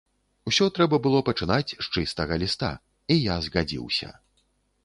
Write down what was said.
Усё трэба было пачынаць з чыстага ліста, і я згадзіўся.